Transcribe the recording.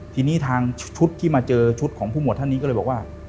ทีนี้ทางชุดที่มาเจอชุดของผู้หวดท่านนี้ก็เลยบอกว่า